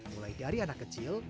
mulai dari anak kecil